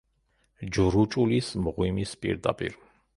ჯრუჭულის მღვიმის პირდაპირ.